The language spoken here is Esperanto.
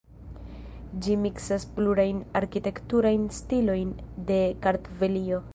Ĝi miksas plurajn arkitekturajn stilojn de Kartvelio.